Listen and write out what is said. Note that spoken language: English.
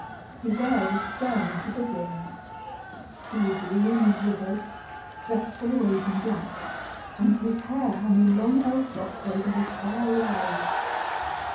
His air was stern and forbidding. He was lean and withered, dressed always in black, and his hair hung in long elf locks over his fiery eyes.